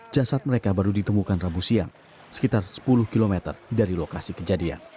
jasad mereka baru ditemukan rabu siang sekitar sepuluh km dari lokasi kejadian